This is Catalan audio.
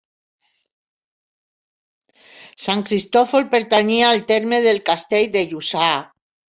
Sant Cristòfol pertanyia al terme del Castell de Lluçà.